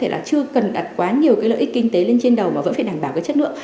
là chưa cần đặt quá nhiều cái lợi ích kinh tế lên trên đầu mà vẫn phải đảm bảo cái chất lượng